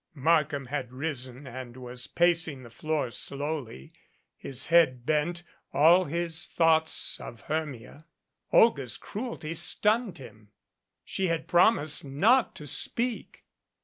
Markham had risen and was pacing the floor slowly, his head bent, all his thoughts of Hermia. Olga's cruelty stunned him. She had promised not to speak.